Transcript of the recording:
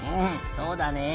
そうだね。